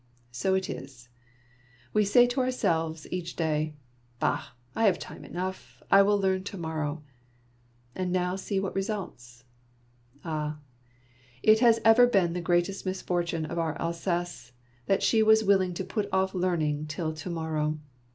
So it is ! We say to ourselves each day, * Bdr! I have time enough. I will learn to morrow.' And now see what results. Ah, it has ever been the greatest misfortune of our Alsace that she was willing to put off learning till To morrow